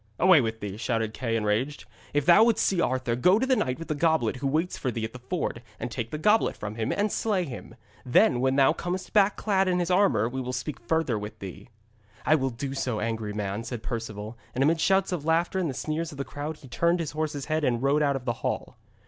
'Away with thee,' shouted Kay, enraged. 'If thou wouldst see Arthur, go to the knight with the goblet who waits for thee at the ford, and take the goblet from him, and slay him. Then when thou comest back clad in his armour, we will speak further with thee.' 'I will do so, angry man,' said Perceval, and amid the shouts of laughter and the sneers of the crowd he turned his horse's head and rode out of the hall.